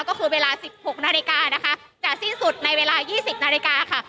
ก็คือเวลาสิบหกนาฬิกานะคะจากสิ้นสุดในเวลายี่สิบนาฬิกาค่ะ